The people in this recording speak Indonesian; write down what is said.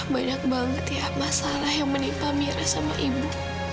banyak banget ya masalah yang menimpa mira sama ibu